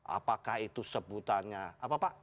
apakah itu sebutannya apa pak